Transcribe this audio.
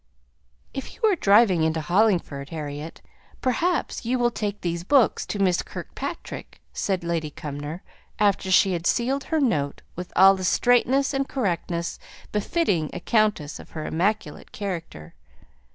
"If you are driving into Hollingford, Harriet, perhaps you will take these books to Miss Kirkpatrick," said Lady Cumnor, after she had sealed her note with all the straightness and correctness befitting a countess of her immaculate character.